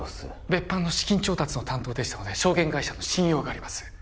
別班の資金調達の担当でしたので証券会社の信用があります